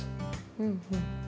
うんうん。